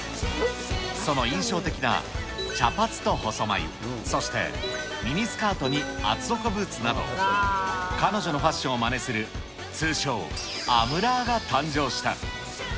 その印象的な茶髪と細まゆ、そしてミニスカートに厚底ブーツなど、彼女のファッションをまねする通称アムラーが誕生した。